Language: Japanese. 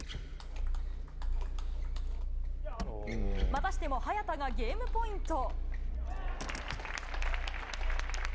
またしても早田がゲームポイント。